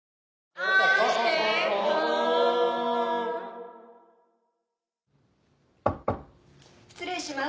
あん・・失礼します。